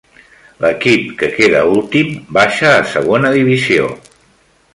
L'equip que queda últim baixa a segona divisió.